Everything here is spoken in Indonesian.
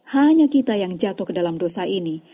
hanya kita yang jatuh ke dalam dosa ini